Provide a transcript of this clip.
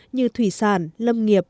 như thủy sản lâm nghiệp